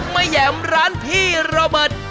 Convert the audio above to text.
แหยมร้านพี่โรเบิร์ต